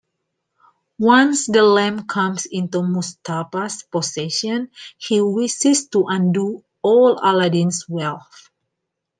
Once the lamp comes into Mustappa's possession, he wishes to undo all Aladdin's wealth.